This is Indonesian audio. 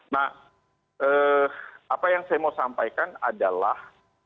nah apa yang saya mau sampaikan adalah